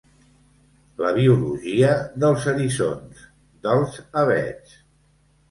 La biologia dels eriçons, dels avets.